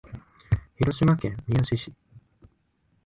広島県三次市